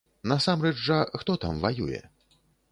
Насамрэч жа, хто там ваюе?